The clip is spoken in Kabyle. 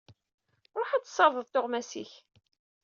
Ruḥ ad tessardeḍ tuɣmas-ik!